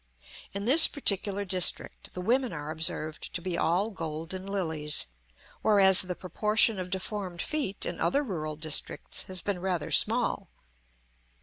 In this particular district the women are observed to be all golden lilies, whereas the proportion of deformed feet in other rural districts has been rather small.